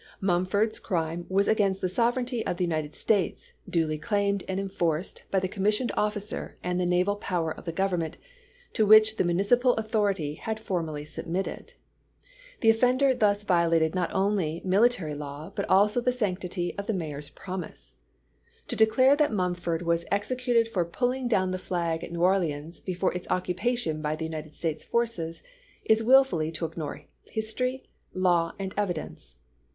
Mumford's crime was against the sovereignty of the United States, duly claimed and enforced by the commissioned officer and the naval power of the Government, to which the municipal authoritj^ had foi'mally submitted. The offender thus violated not only military law but also the sanctity of the Mayor's promise. To declare that NEW ORLEANS 279 Mumf ord was executed for pulling down the flag chap. xvi. at New Orleans before its occupation by the United States forces is willfully to ignore history, law, and evidence.